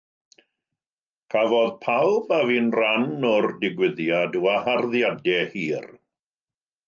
Cafodd pawb a fu'n rhan o'r digwyddiad waharddiadau hir.